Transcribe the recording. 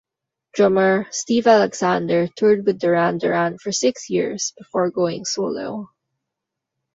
Drummer Steve Alexander toured with Duran Duran for six years, before going solo.